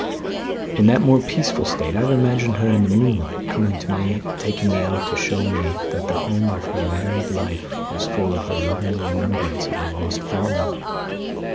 "In that more peaceful state, I have imagined her, in the moonlight, coming to me and taking me out to show me that the home of her married life was full of her loving remembrance of her lost father.